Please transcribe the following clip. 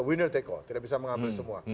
winner take al tidak bisa mengambil semua